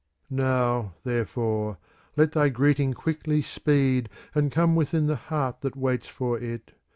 Now, therefore, let thy greeting quickly speed, And come within the heart that waits for it.